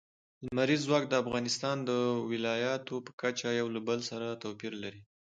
لمریز ځواک د افغانستان د ولایاتو په کچه یو له بل سره توپیر لري.